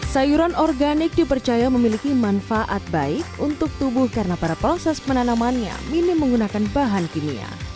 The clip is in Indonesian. sayuran organik dipercaya memiliki manfaat baik untuk tubuh karena pada proses penanamannya minim menggunakan bahan kimia